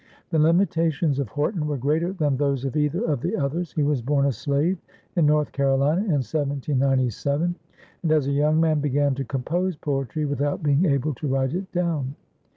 The limitations of Horton were greater than those of either of the others; he was born a slave in North Carolina in 1797, and as a young man began to compose poetry without being able to write it down.